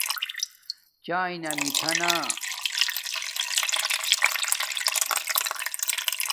چایݵے نا میٹھا نا